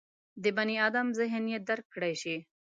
د بني ادم ذهن یې درک کړای شي.